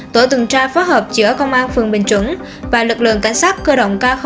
tổ tường tra phó hợp giữa công an phường bình chuẩn và lực lượng cảnh sát cơ động k hai